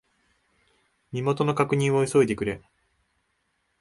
身元の確認を急いでくれ。